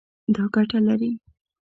دا ګټه لري